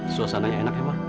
suasananya enak emang